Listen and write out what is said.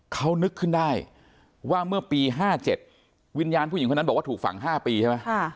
เขานึกขึ้นได้ว่าเมื่อปี๕๗วิญญาณผู้หญิงคนนั้นบอกว่าถูกฝัง๕ปีใช่ไหม